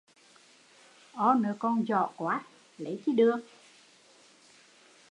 O nớ còn dỏ quá, lấy chi được